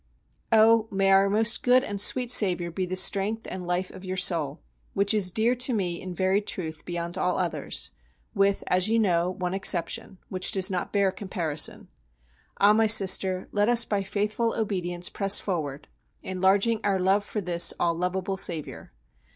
Oh! may our most good and sweet Saviour be the strength and life of your soul, which is dear to me in very truth beyond all others, with, as you know, one exception, which does not bear comparison. Ah! my Sister, let us by faithful obedience press forward, enlarging our love for this all lovable Saviour.